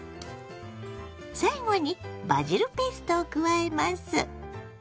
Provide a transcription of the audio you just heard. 最後にバジルペーストを加えます。